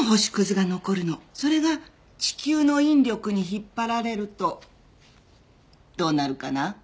それが地球の引力に引っ張られるとどうなるかな？